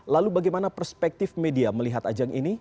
lalu bagaimana perspektif media melihat ajang ini